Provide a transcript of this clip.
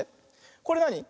これなに？